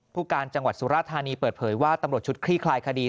ผู้การจังหวัดสุราธานีเปิดเผยว่าตำรวจชุดคลี่คลายคดี